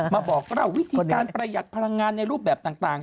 มาบอกเล่าวิธีการประหยัดพลังงานในรูปแบบต่าง